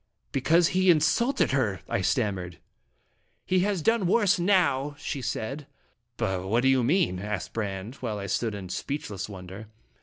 Because he insulted her," I stammered. " He has done worse now !" she said. "What do you mean?" asked Brande, while I stood in speechless wonder.